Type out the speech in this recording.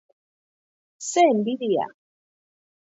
Ze enbidia!